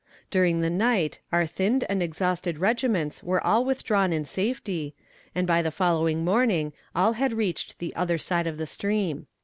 During the night our thinned and exhausted regiments were all withdrawn in safety, and by the following morning all had reached the other side of the stream."